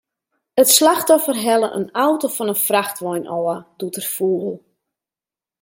It slachtoffer helle in auto fan in frachtwein ôf, doe't er foel.